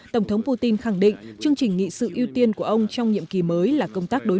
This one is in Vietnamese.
tổng thống putin khẳng định chương trình nghị sự ưu tiên của ông trong nhiệm kỳ mới là công tác đối